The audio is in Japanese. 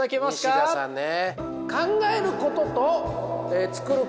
西田さんね。